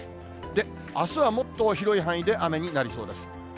で、あすはもっと広い範囲で雨になりそうです。